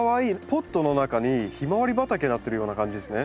ポットの中にヒマワリ畑になっているような感じですね。